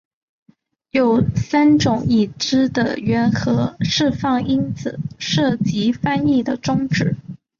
有三种已知的原核释放因子涉及翻译的终止。